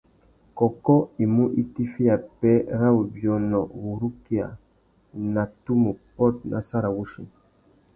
Kôkô i mú itiffiya pêh râ wubiônô wurukia a nà tumu pôt nà sarawussi.